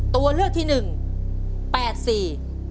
ตัวเลือกที่๑๘สี